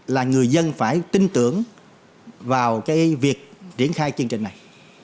là người dân phải tin tưởng vào cái việc triển khai chương trình này